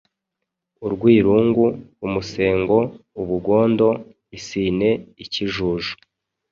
urwirungu, umusengo, ubugondo, isine, ikijuju,